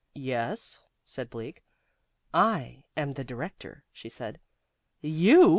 "Yes," said Bleak. "I am the Director," she said. "YOU?